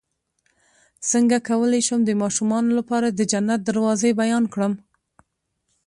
څنګه کولی شم د ماشومانو لپاره د جنت دروازې بیان کړم